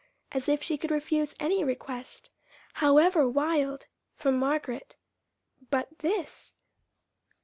As if she could refuse any request, however wild, from Margaret! But this